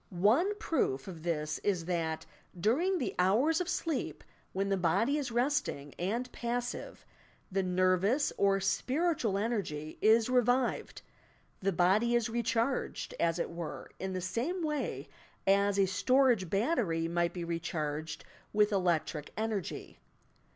One proof of this is that, during the hours of sleep, when the body is resting and passive, the nervous or spiritual energy is revived, the body is recharged, as it were, in the same way as a storago battery might be recharged with elec tric energy.